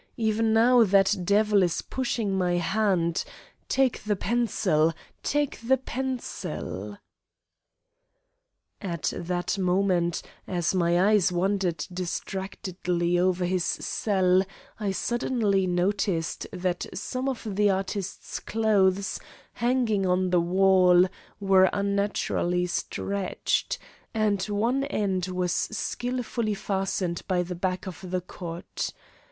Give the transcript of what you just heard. Even now that devil is pushing my hand: 'Take the pencil, take the pencil.'" At that moment, as my eyes wandered distractedly over his cell, I suddenly noticed that some of the artist's clothes hanging on the wall were unnaturally stretched, and one end was skilfully fastened by the back of the cot.